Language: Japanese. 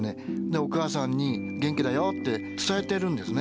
お母さんに「元気だよ」って伝えてるんですね。